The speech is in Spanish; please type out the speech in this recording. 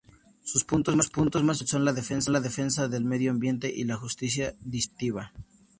Sus puntos más importantes son la defensa del medio ambiente y la justicia distributiva.